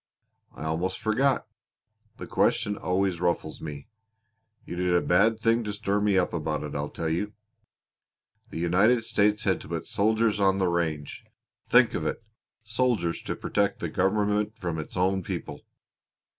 "I almost forgot. The question always ruffles me. You did a bad thing to stir me up about it. I'll tell you. The United States had to put soldiers on the range think of it soldiers to protect the government from its own people!